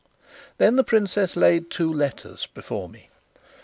Then the princess laid two letters before me.